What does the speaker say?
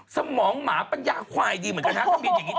สมองหมาปัญญาควายดีเหมือนกันนะ